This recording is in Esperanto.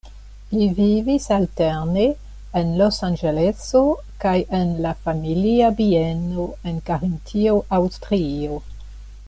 Li vivis alterne en Losanĝeleso kaj en la familia bieno en Karintio, Aŭstrio.